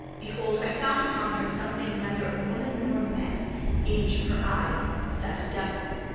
Behold! I found upon her something neither of woman nor of man: in each of her eyes sat a devil.